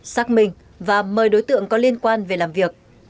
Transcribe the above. xác minh và mời đối tượng có liên quan về làm việc